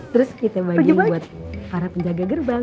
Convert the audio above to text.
terus kita bagi buat para penjaga gerbang